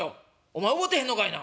「お前覚えてへんのかいな。